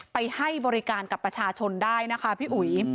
ไปให้บริการกับประชาชนได้นะคะพี่อุ๋ย